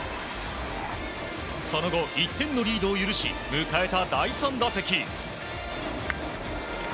その後１点のリードを許し迎えた第３打席。